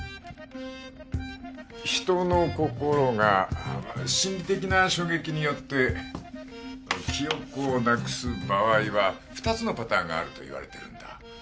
人の心が心的な衝撃によって記憶をなくす場合は２つのパターンがあるといわれてるんだ。